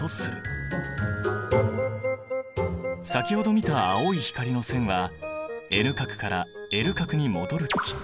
先ほど見た青い光の線はＮ殻からＬ殻に戻る時。